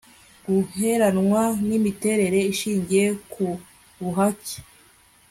guheranwa n imiterere ishingiye ku buhake